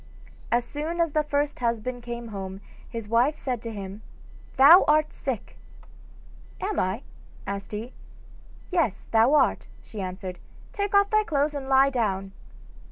As soon as the first husband came home his wife said to him: 'Thou art sick!' 'Am I?' asked he. 'Yes, thou art,' she answered; 'take off thy clothes and lie down.